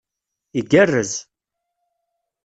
Igerrez!